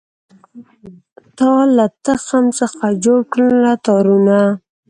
تا له تخم څخه جوړکړله تارونه